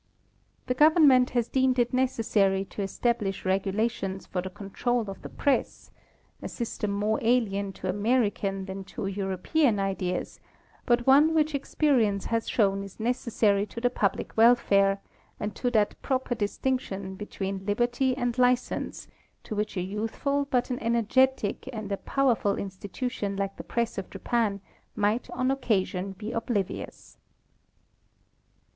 The government has deemed it necessary to establish regulations for the control of the press—a system more alien to American than to European ideas, but one which experience has shown is necessary to the public welfare, and to that proper distinction between liberty and license to which a youthful but an energetic and a powerful institution lke the press of Japan might on occasion be oblivious.